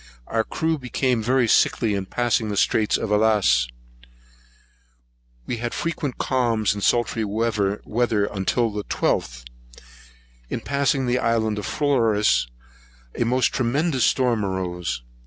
Our crew became very sickly in passing the Straits of Alice [Allas]. We had frequent calms and sultry weather until the 12th. In passing the island of Flores, a most tremendous storm arose.